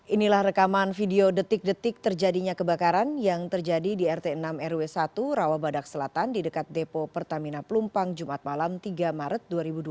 inilah rekaman video detik detik terjadinya kebakaran yang terjadi di rt enam rw satu rawabadak selatan di dekat depo pertamina pelumpang jumat malam tiga maret dua ribu dua puluh